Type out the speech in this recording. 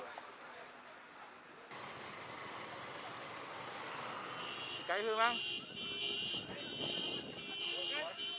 ไอ้คุณมั้ง